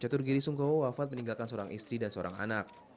catur giri sungkowo wafat meninggalkan seorang istri dan seorang anak